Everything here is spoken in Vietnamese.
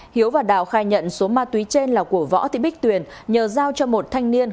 hiếu và đạo khai nhận số ma túy trên là của võ thị bích tuyền nhờ giao cho một thanh niên